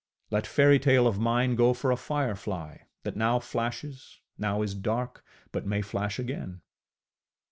Let fairytale of mine go for a firefly that now flashes, now is dark, but may flash again.